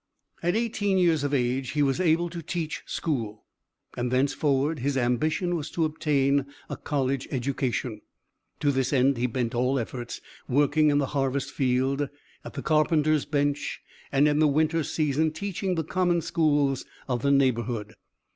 At eighteen years of age he was able to teach school, and thenceforward his ambition was to obtain a college education. To this end he bent all efforts, working in the harvest field, at the carpenter's bench, and in the winter season, teaching the common schools of the neighborhood.